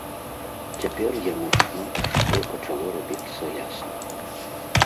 Цяпер яму шмат што пачало рабіцца ясным.